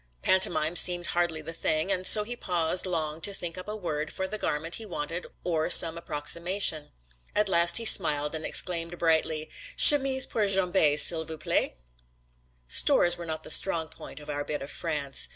Pantomime seemed hardly the thing and so he paused long to think up a word for the garment he wanted or some approximation. At last he smiled and exclaimed brightly, "Chemise pour jambes, s'il vous plait." Stores were not the strong point of our bit of France.